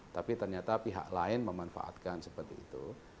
tapi ternyata pihak lain memanfaatkan seperti itu